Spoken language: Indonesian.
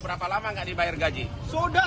berapa lama gak dibayar gaji